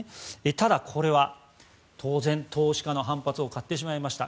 ただ、これは当然投資家の反発を買ってしまいました。